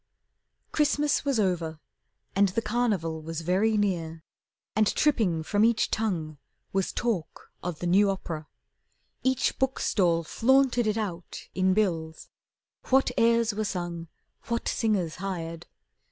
Christmas was over and the Carnival Was very near, and tripping from each tongue Was talk of the new opera. Each book stall Flaunted it out in bills, what airs were sung, What singers hired.